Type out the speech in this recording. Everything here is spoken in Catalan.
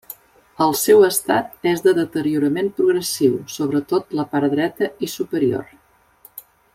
El seu estat és de deteriorament progressiu, sobretot la part dreta i superior.